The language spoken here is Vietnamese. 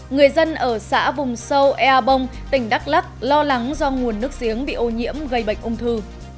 người dân ở xã vùng sâu ea bông tỉnh đắk lắc lo lắng do nguồn nước giếng bị ô nhiễm gây bệnh ung thư